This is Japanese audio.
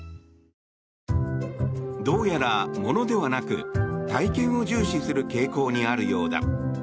どうやらものではなく体験を重視する傾向にあるようだ。